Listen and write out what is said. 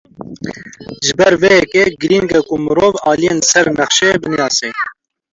Ji ber vê yekê, girîng e ku mirov aliyan li ser nexşeyê binase.